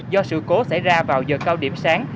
do sự cố xảy ra vào giờ cao điểm sáng